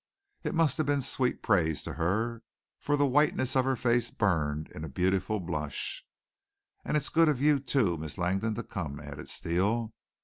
It must have been sweet praise to her, for the whiteness of her face burned in a beautiful blush. "And it's good of you, too, Miss Langdon, to come," added Steele.